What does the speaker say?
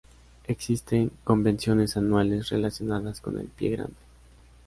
Existen convenciones anuales relacionadas con el Pie Grande.